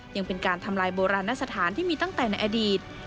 ยังเป็นการทำลายโบราณสถานที่มีตั้งแต่ในอดีต